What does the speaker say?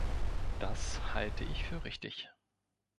Das halte ich für richtig.